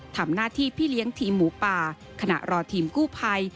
ทำหน้าที่พี่เลี้ยงทีมหมูป่าขณะรอทีมกู้ภัย